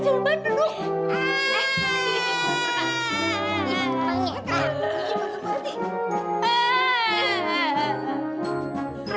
raka bander banget sih